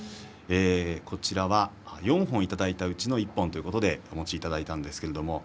こちらは４本いただいたうちの１本ということでお持ちいただきました。